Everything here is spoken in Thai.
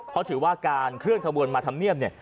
เขาถือว่าการเคลื่อนขบวนมาธรรเมียม